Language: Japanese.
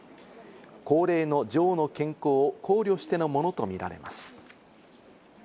高齢の女王の健康を考慮してのものとみられます。